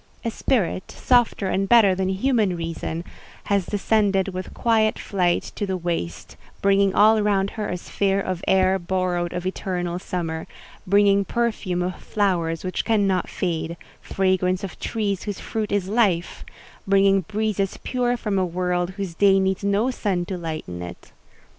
A spirit, softer and better than Human Reason, has descended with quiet flight to the waste—bringing all round her a sphere of air borrowed of eternal summer; bringing perfume of flowers which cannot fade—fragrance of trees whose fruit is life; bringing breezes pure from a world whose day needs no sun to lighten it.